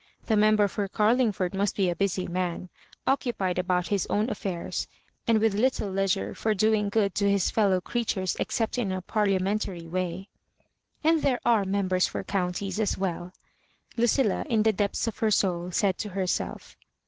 The Member for Car lingfordmust be a busy man, occupied about his own affairs, and with little leisure for doing good to his fellow creatures except in a parlia mentary way. "And there are members for counties as well," Ludlla, in the depths of her soul, said to herself.